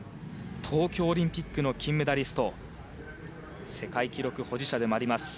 東京オリンピックの金メダリスト世界記録保持者でもあります